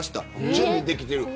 準備ができてる。